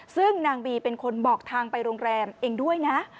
ซึ่งนางบีเป็นคนบอกทางไปโรงแรมเองด้วยนะ